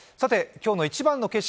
今日の一番の景色